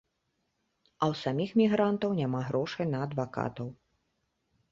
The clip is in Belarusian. А ў саміх мігрантаў няма грошай на адвакатаў.